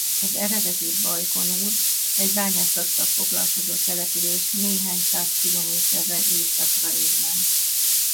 Az eredeti Bajkonur egy bányászattal foglalkozó település néhány száz kilométerre északra innen.